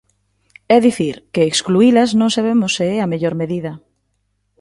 É dicir, que excluílas non sabemos se é a mellor medida.